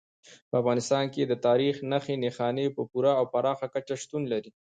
په افغانستان کې د تاریخ نښې نښانې په پوره او پراخه کچه شتون لري.